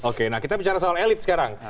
oke nah kita bicara soal elit sekarang